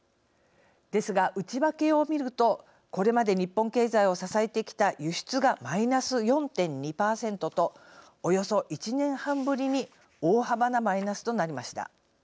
ですが内訳を見るとこれまで日本経済を支えてきた輸出がマイナス４．２％とおよそ１年半ぶりに大幅なマイナスとなりました。